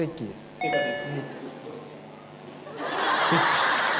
正解です。